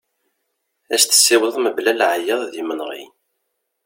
Ad as-tessiwḍeḍ mebla leɛyaḍ d yimenɣi.